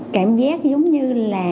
cảm giác giống như là